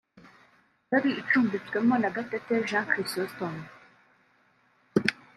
yari icumbitswemo na Gatete Jean Chrisostome